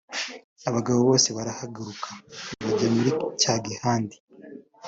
Abagabo bose barahaguruka bajya muri cya gihande